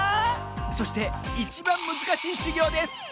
そしていちばんむずかしいしゅぎょうです